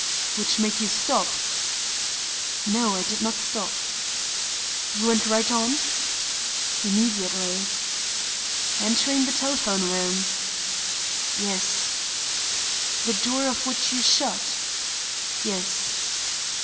"Which made you stop " "No, I did not stop." "You went right on?" "Immediately." "Entering the telephone room?" "Yes." "The door of which you shut?" "Yes."